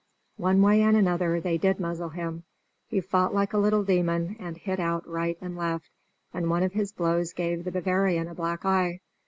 One way and another they did muzzle him. He fought like a little demon, and hit out right and left, and one of his blows gave the Bavarian a black eye.